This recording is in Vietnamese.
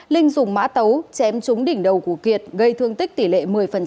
linh dùng mã tấu chém trúng đỉnh đầu của kiệt gây thương tích tỷ lệ một mươi